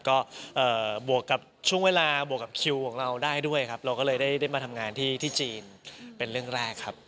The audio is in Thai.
ก็บวกกับช่วงเวลาบวกกับคิวของเราได้ด้วยครับเราก็เลยได้มาทำงานที่จีนเป็นเรื่องแรกครับ